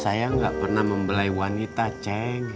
saya nggak pernah membelai wanita ceng